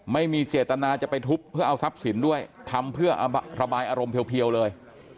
ไม่มีเจตนาจะไปทุบเพื่อเอาทรัพย์สินด้วยทำเพื่อระบายอารมณ์เพียวเลย